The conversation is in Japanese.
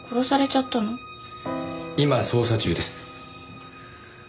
今捜査中です。